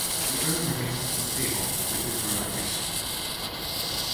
The earth remains as stable as if it were a fixture.